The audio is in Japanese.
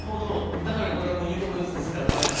だから、これは入国させてはだめだと？